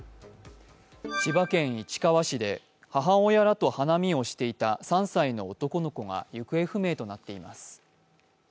千葉県市川市で母親らと花見をしていた３歳の男の子が行方不明となっています。